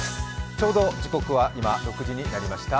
ちょうど時刻は今６時になりました。